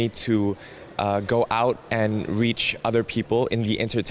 untuk keluar dan mencapai orang lain di bisnis perengetan